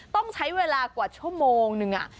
ต้องใช้เวลากว่าชั่วโมงนึง